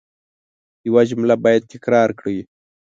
یو جمله باید تکرار کړئ.